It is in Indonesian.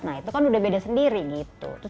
nah itu kan udah beda sendiri gitu